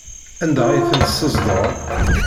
Anda ay tent-teszedɣeḍ?